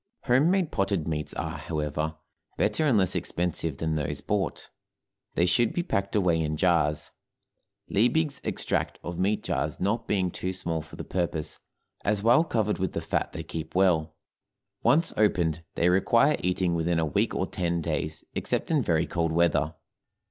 Home made potted meats are, however, better and less expensive than those bought; they should be packed away in jars, Liebig's extract of meat jars not being too small for the purpose, as, while covered with the fat they keep well; once opened, they require eating within a week or ten days, except in very cold weather.